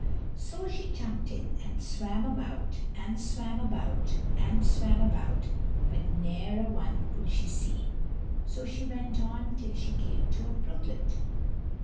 So she jumped in, and swam about and swam about and swam about, but ne'er a one could she see. So she went on till she came to a brooklet.